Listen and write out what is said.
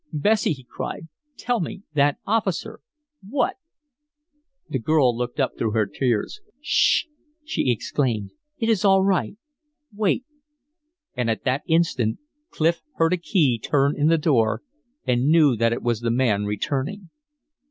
"Bessie!" he cried. "Tell me that officer. What " The girl looked up through her tears. "S sh!" she exclaimed. "It is all right. Wait." And at that instant Clif heard a key turn in the door, and knew that it was the man returning.